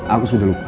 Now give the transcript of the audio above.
aku sudah lupa